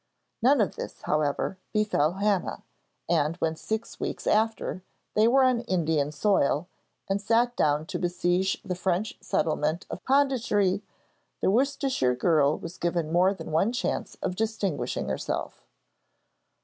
None of this, however, befell Hannah, and when six weeks after, they were on Indian soil, and sat down to besiege the French settlement of Pondicherry, the Worcestershire girl was given more than one chance of distinguishing herself.